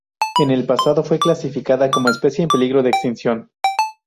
En el pasado fue clasificada como especie en peligro de extinción.